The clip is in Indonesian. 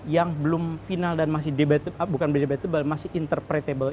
yang belum final dan masih interpretable